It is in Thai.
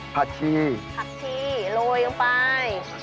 ผักชีผักชีโรยลงไป